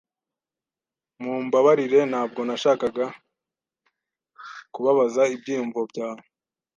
Mumbabarire, ntabwo nashakaga kubabaza ibyiyumvo byawe.